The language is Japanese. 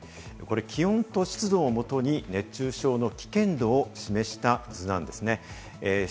気温と湿度をもとに熱中症の危険度を示した図です。